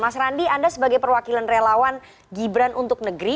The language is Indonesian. mas randi anda sebagai perwakilan relawan gibran untuk negeri